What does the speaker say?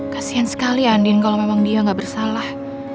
kasian sekali andin kalau memang dia nggak bersalah